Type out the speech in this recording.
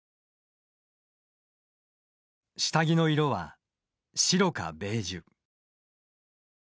下着の色は白かベージュ。